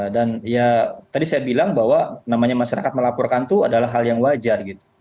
dan ya tadi saya bilang bahwa namanya masyarakat melaporkan itu adalah hal yang wajar gitu